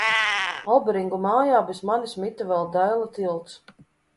Alberingu mājā bez manis mita vēl Daila Tilts.